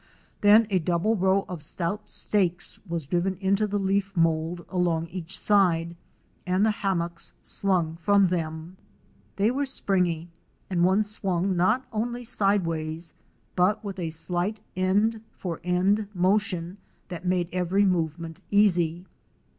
Then a double row of stout stakes was driven into the leaf mould along each side and the hammocks slung from them. They were springy, and one swung not only sideways but with a slight end for end motion that made every movement easy.